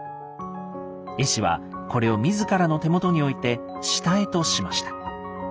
絵師はこれを自らの手元に置いて下絵としました。